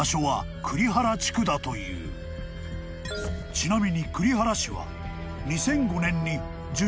［ちなみに］